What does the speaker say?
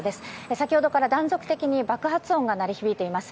先ほどから断続的に爆発音が鳴り響いています。